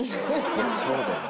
いやそうだよね。